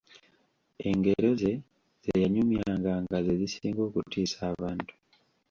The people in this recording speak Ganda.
Engero ze ze yanyumyanga nga ze zisinga okutiisa abantu.